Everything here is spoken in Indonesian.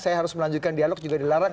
saya harus melanjutkan dialog juga dilarang